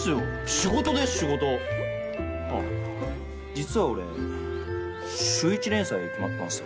実は俺週一連載決まったんすよ。